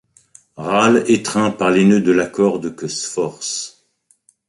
Râle, étreint par les noeuds de la corde que Sforce